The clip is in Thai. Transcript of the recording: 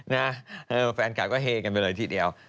นะเออแฟนการ์ดก็เฮกกันไปเลยทีเดียว